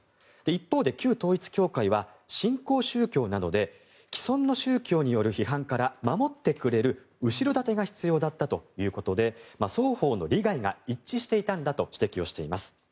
一方で旧統一教会は新興宗教なので既存の宗教による批判から守ってくれる後ろ盾が必要だったということで双方の利害が一致していたんだと指摘しています。